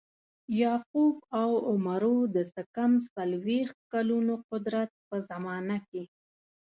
یعقوب او عمرو د څه کم څلویښت کلونو قدرت په زمانه کې.